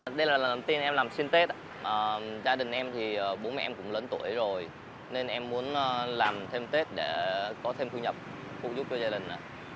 còn gia đình em thì bố mẹ em cũng lớn tuổi rồi nên em muốn làm thêm tết để có thêm thu nhập phụ giúp cho gia đình